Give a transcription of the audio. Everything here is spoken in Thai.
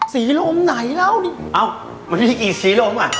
สีลมไหนแล้วนี่เอ้ามันมีกี่สีลมอ่ะ